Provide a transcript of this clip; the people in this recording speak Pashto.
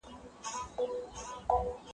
کېدای سي کتابونه اوږده وي.